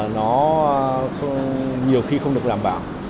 nó nhiều khi không được đảm bảo